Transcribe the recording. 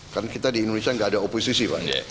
karena kita di indonesia tidak ada oposisi